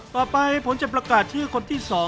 ต่อไปผมจะประกาศชื่อคนที่๒